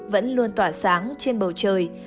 vẫn luôn tỏa sáng trên bầu trời